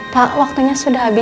pak waktunya sudah